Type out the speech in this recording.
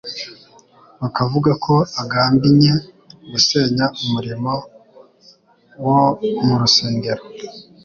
bakavuga ko agambinye gusenya umurimo wo mu rusengero.